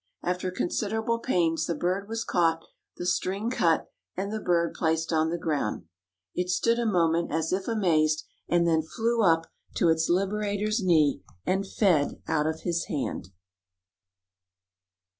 After considerable pains the bird was caught, the string cut, and the bird placed on the ground. It stood a moment as if amazed, and then flew up to its liberator's knee and fed out of his hand.